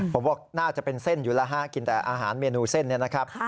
ผมบอกน่าจะเป็นเส้นอยู่แล้วฮะกินแต่อาหารเมนูเส้นเนี่ยนะครับ